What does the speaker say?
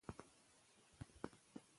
واکسین به د جراحي اړتیا کم کړي.